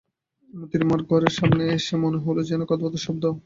মোতির মার ঘরের সামনে এসে মনে হল যেন কথার্বাতার শব্দ।